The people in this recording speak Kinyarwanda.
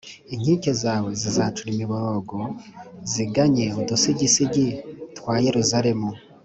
Inkike zawe zizacura imiborogo, ziganye, Udusigisigi twa Yeruzalemu